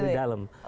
sibuk di dalam